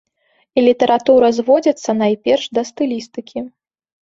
І літаратура зводзіцца найперш да стылістыкі.